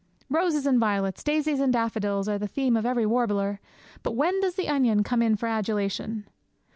Roses and violets, daisies and daffodils, are the theme of every warbler; but when does the onion come in for adulation?